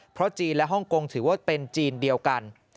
เพราะจีนและฮ่องกงถือว่าเป็นจีนเดียวกัน